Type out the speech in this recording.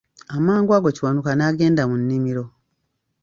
Amangu ago Kiwanuka n'agenda mu nnimiro.